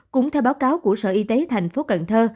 cũng theo báo cáo của sở y tế thành phố cần thơ